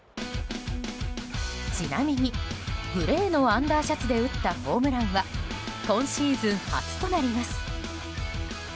ちなみにグレーのアンダーシャツで打ったホームランは今シーズン初となります。